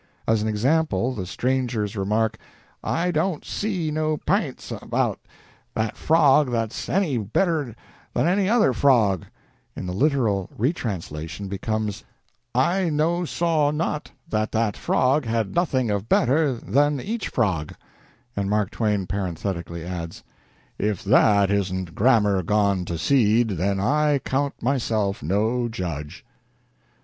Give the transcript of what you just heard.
As an example, the stranger's remark, "I don't see no p'ints about that frog that's any better than any other frog," in the literal retranslation becomes, "I no saw not that that frog had nothing of better than each frog," and Mark Twain parenthetically adds, "If that isn't grammar gone to seed, then I count myself no judge."